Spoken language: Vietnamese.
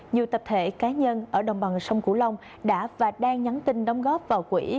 nhiều tập thể cá nhân ở đồng bằng sông cửu long đã và đang nhắn tin đóng góp vào quỹ